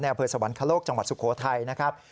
อำเภอสวรรคโลกจังหวัดสุโขทัยนะครับ